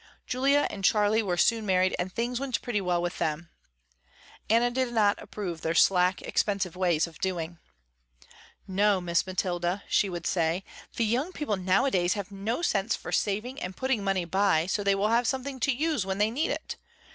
Julia and Charley were soon married and things went pretty well with them. Anna did not approve their slack, expensive ways of doing. "No Miss Mathilda," she would say, "The young people nowadays have no sense for saving and putting money by so they will have something to use when they need it.